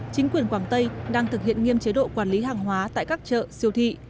chính quyền quảng tây đang thực hiện nghiêm chế độ quản lý hàng hóa tại các chợ siêu thị